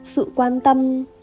sự quan tâm